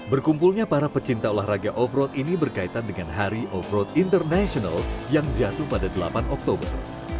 berkumpulnya para pecinta olahraga off road ini berkaitan dengan hari off road international yang jatuh pada delapan oktober